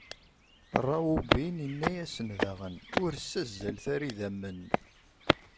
Rawubin inna-asen daɣen: Ur ssazzalet ara idammen!